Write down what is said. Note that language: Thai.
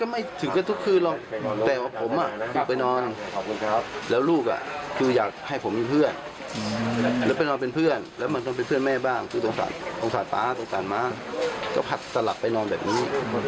หรือว่าทานรุ่นลูกหรือเปล่าทำไมลูกเป็นแบบนี้